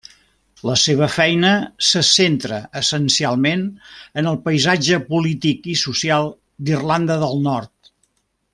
La seva feina se centra essencialment en el paisatge polític i social d’Irlanda del Nord.